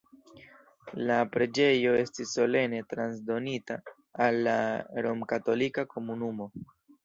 La la preĝejo estis solene transdonita al la romkatolika komunumo.